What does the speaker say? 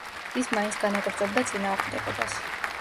ის მაინც განაგრძობდა წინააღმდეგობას.